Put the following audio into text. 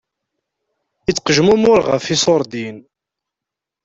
Ittqejmumuṛ ɣef iṣuṛdiyen.